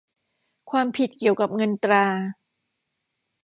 ความผิดเกี่ยวกับเงินตรา